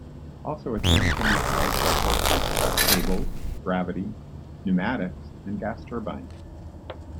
Also, a train can be powered by horses, cables, gravity, pneumatics and gas turbines.